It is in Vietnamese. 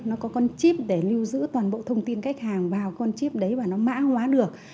nó có con chip để lưu giữ toàn bộ thông tin khách hàng vào con chip đấy và nó mã hóa được